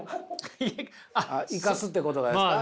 あっ生かすってことがですか？